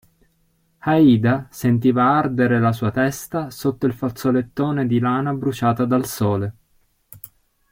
Aida sentiva ardere la sua testa sotto il fazzolettone di lana bruciata dal sole.